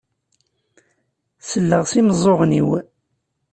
Selleɣ s imeẓẓuɣen-iw.